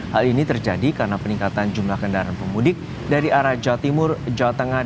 hal ini terjadi karena peningkatan jumlah kendaraan pemudik dari arah jawa timur jawa tengah